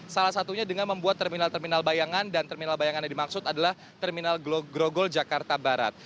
salah satunya dengan membuat terminal terminal bayangan dan terminal bayangan yang dimaksud adalah terminal grogol jakarta barat